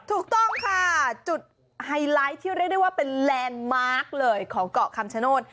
ถูกต้องค่ะจุดไฮไลท์ที่เรียกได้ว่าเป็นแลนด์มาร์คเลยของเกาะคำชโนธ